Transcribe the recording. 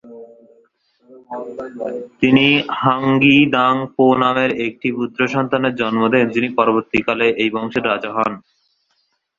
তিনি ঙ্গাগ-গি-দ্বাং-পো নামের একটি পুত্রসন্তানের জন্ম দেন যিনি পরবর্তীকালে এই বংশের রাজা হন।